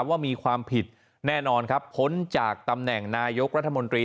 ว่ามีความผิดแน่นอนครับพ้นจากตำแหน่งนายกรัฐมนตรี